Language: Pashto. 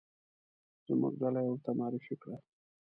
زموږ ډله یې ورته معرفي کړه.